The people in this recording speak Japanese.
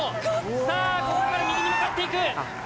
さあここから右に向かっていく！